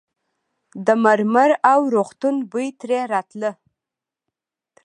د مرمر او روغتون بوی ترې راته.